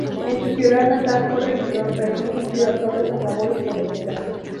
En su ciudad natal fue regidor, pero no cumplió sólo esas labores políticas.